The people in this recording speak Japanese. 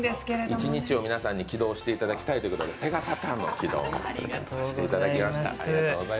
一日を皆さんに起動していただきたいということで、ＳＥＧＡＳＡＴＵＲＮの起動音お届けさせていただきました。